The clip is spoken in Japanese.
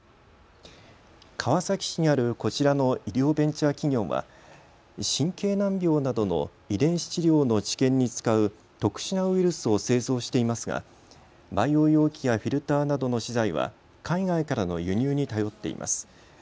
川崎市にあるこちらの医療ベンチャー企業は神経難病などの遺伝子治療の治験に使う特殊なウイルスを製造していますが培養容器やフィルターなどの資材は海外からの輸入に頼っています。